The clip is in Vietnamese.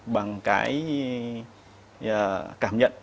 bằng cái cảm nhận